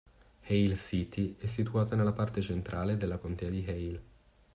Hale City è situata nella parte centrale della contea di Hale.